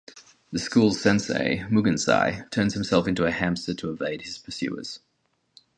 The school's sensei, Mugensai, turns himself into a hamster to evade his pursuers.